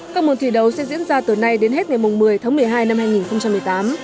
các môn thi đấu sẽ diễn ra từ nay đến hết ngày một mươi tháng một mươi hai năm hai nghìn một mươi tám